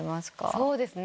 そうですね。